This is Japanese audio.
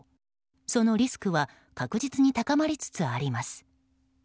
そのリスクは確実に高まりつつあります。